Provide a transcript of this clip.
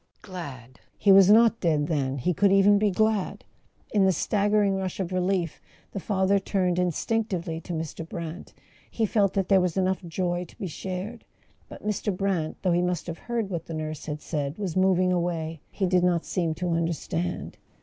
Glad! He was not dead, then; he could even be glad ! In the staggering rush of relief the father turned in¬ stinctively to Mr. Brant; he felt that there was enough joy to be shared. But Mr. Brant, though he must have heard what the nurse had said, was moving away; he did not seem to understand.